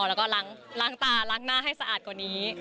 แล้วก็ล้างตาล้างหน้าให้สะอาดกว่านี้